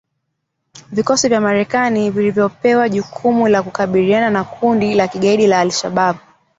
Vikosi vya Marekani vilivyopewa jukumu la kukabiliana na kundi la kigaidi la al-Shabab.